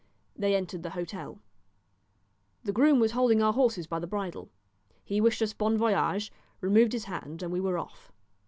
They entered the hotel. The groom was holding our horses by the bridle. He wished us bon voyage, removed his hand, and we were off.